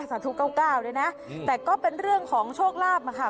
สาธุเก่าเก้าด้วยนะแต่ก็เป็นเรื่องของโชคลาภนะคะ